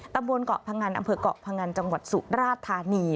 ตำบลเกาะพงันอำเภอกเกาะพงันจังหวัดสุราธานี